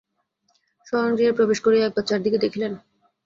শয়নগৃহে প্রবেশ করিয়া একবার চারিদিক দেখিলেন।